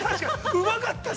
うまかったし。